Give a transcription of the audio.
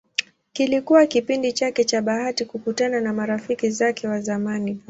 Kilikuwa kipindi chake cha bahati kukutana na marafiki zake wa zamani Bw.